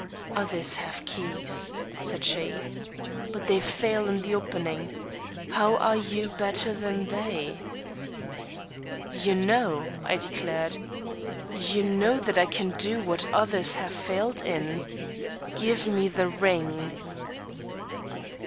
"Others have keys," said she, "but they fail in the opening. How are you better than they?" "You know," I declared "you know that I can do what others have failed in. Give me the ring."